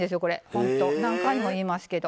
ほんと何回も言いますけど。